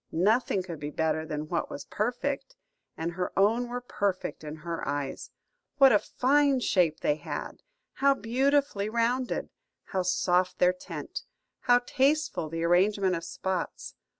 Nothing could be better than what was perfect, and her own were perfect in her eyes. What a fine shape they had! How beautifully rounded! How soft their tint! How tasteful the arrangement of spots!